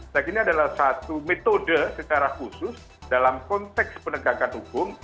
nah ini adalah satu metode secara khusus dalam konteks penegakan hukum